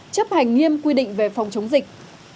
chấp hành nghiêm quy định về phòng chống dịch